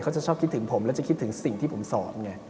จะชอบคิดถึงผมแล้วจะคิดถึงสิ่งที่ผมสอนไง